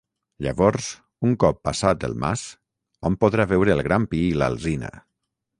Llavors, un cop passat el mas, hom podrà veure el gran pi i l'alzina.